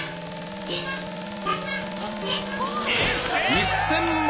１０００万！